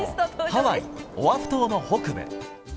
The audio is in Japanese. ハワイ・オアフの北部。